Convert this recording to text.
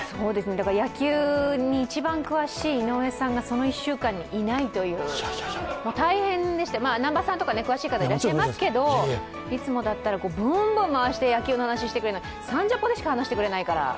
だから野球に一番詳しい井上さんが、その１週間にいないという大変でしたよ、南波さんとか詳しい方いらっしゃいましたけどいつもだったらブンブン回して野球の話、してくれるのに「サンジャポ」でしか話してくれないから。